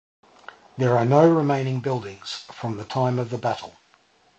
There are no remaining buildings from the time of the battle.